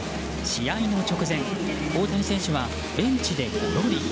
試合の直前、大谷選手はベンチでごろり。